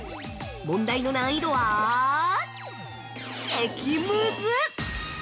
問題の難易度は激ムズ。